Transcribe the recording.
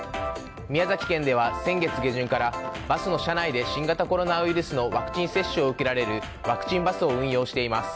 宮崎県では先月下旬からバスの車内で新型コロナウイルスのワクチン接種を受けられるワクチンバスを運用しています。